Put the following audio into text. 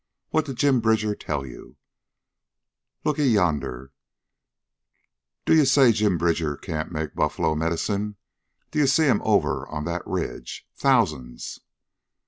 "What did Jim Bridger tell ye? Lookee yonder! Do ee say Jim Bridger can't make buffler medicine? Do ee see 'em over yan ridge thousands?"